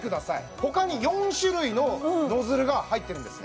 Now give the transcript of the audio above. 他に４種類のノズルが入ってるんですね